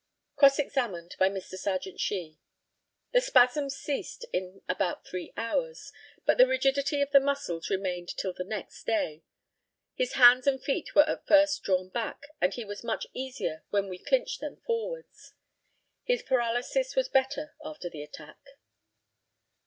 Cross examined by Mr. Serjeant SHEE: The spasms ceased in about three hours, but the rigidity of the muscles remained till the next day. His hands and feet were at first drawn back, and he was much easier when we clinched them forwards. His paralysis was better after the attack.